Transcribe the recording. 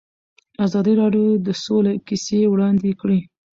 ازادي راډیو د سوله کیسې وړاندې کړي.